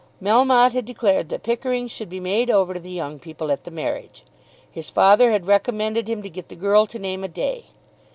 Melmotte had declared that Pickering should be made over to the young people at the marriage. His father had recommended him to get the girl to name a day.